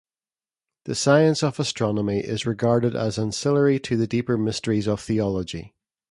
The science of astronomy is regarded as ancillary to the deeper mysteries of theology.